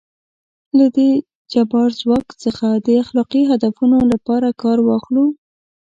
له دې جبار ځواک څخه د اخلاقي هدفونو لپاره کار واخلو.